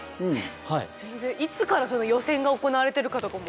全然いつから予選が行われてるかとかも分かんない。